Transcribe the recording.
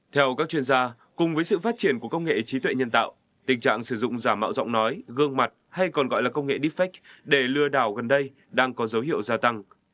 theo các chuyên gia cùng với sự phát triển của công nghệ trí tuệ nhân tạo tình trạng sử dụng giả mạo giọng nói gương mặt hay còn gọi là công nghệ deepfake để lừa đảo gần đây đang có dấu hiệu gia tăng